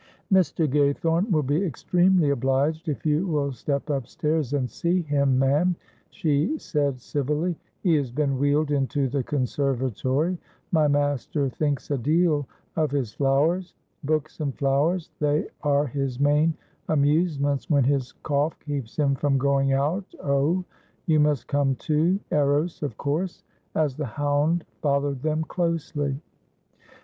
"Mr. Gaythorne will be extremely obliged if you will step upstairs and see him, ma'am," she said, civilly; "he has been wheeled into the conservatory; my master thinks a deal of his flowers books and flowers they are his main amusements when his cough keeps him from going out Oh! you must come too, Eros, of course," as the hound followed them closely.